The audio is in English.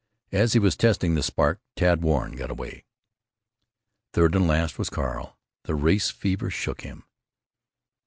As he was testing the spark Tad Warren got away. Third and last was Carl. The race fever shook him.